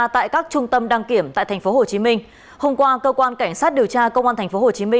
tại các trung tâm đăng kiểm tại tp hcm hôm qua cơ quan cảnh sát điều tra công an tp hcm